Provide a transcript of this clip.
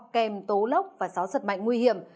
kèm tố lốc và gió giật mạnh nguy hiểm